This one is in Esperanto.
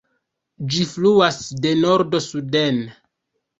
Ĝi fluas de nordo suden.